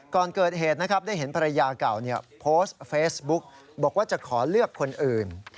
ก่อนเกิดเหตุนะครับได้เห็นภรรยาเก่าโพสต์เฟซบุ๊กบอกว่าจะขอเลือกคนอื่น